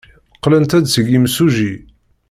Qqlent-d seg yimsujji.